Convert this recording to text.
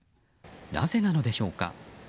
なぜなのでしょうか。